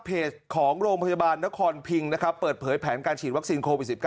เพจของโรงพยาบาลนครพิงนะครับเปิดเผยแผนการฉีดวัคซีนโควิด๑๙